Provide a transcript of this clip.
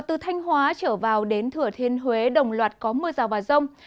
từ thanh hóa trở vào đến thừa thiên huế đồng loạt có mưa rào và rông